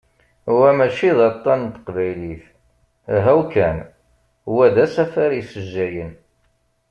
Wa mačči d aṭan n teqbaylit, ahaw kan, wa d asafar issejjayen.